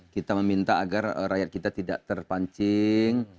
kita meminta agar rakyat kita tidak terpancing